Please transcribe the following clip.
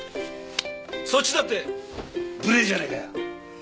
そっちだって無礼じゃねえかよ。